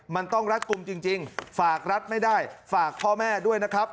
มันต้องรัดกลุ่มจริงฝากรัฐไม่ได้ฝากพ่อแม่ด้วยนะครับ